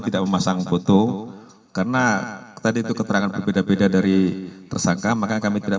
tidak memasang foto karena tadi itu keterangan berbeda beda dari tersangka maka kami tidak